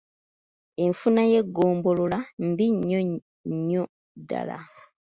Enfuna y'eggombolola mbi nnyo nnyo ddala.